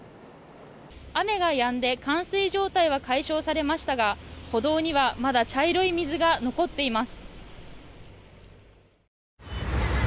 雨がやんで、冠水状態は解消されましたが歩道にはまだ茶色い水が残っています。